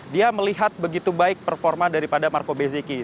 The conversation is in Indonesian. dia melihat begitu baik performa daripada marco bezeki